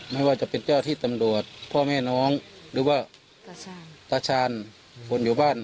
ไม่ว่าจะเป็นเจ้าที่ตำรวจพ่อแม่น้องหรือว่าตาชาญคนอยู่บ้าน